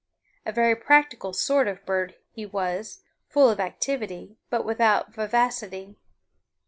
A very practical sort of bird he was, full of activity, but without vivacity.